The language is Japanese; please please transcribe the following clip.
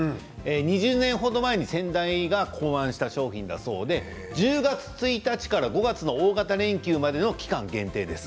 ２０年程前に先代が考案した商品だそうで１０月１日から５月の大型連休までの期間限定です。